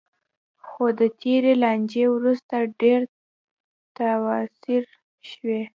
خو د تېرې لانجې وروسته ډېر تاوسر شوی.